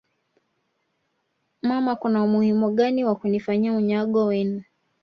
mama Kuna umuhimu gani wa kunifanyia unyago wenu